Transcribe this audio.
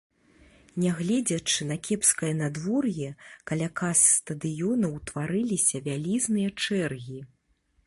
Нягледзячы на кепскае надвор'е, каля кас стадыёна ўтварыліся вялізныя чэргі.